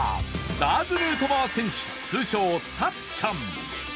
ラーズ・ヌートバー選手通称たっちゃん。